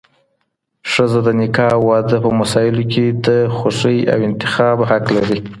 ښځه د نکاح او واده په مسایلو کي د خوښې او انتخاب حق لري